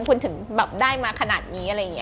คุณถึงได้มาขนาดนี้